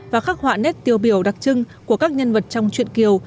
và khắc họa nét tiêu biểu đặc trưng của các nhân vật trong chuyện kiều